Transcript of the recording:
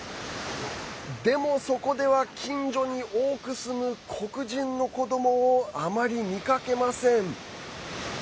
でも、そこでは近所に多く住む黒人の子どもをあまり見かけません。